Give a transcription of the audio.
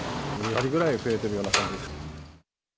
２割ぐらい増えているような感じです。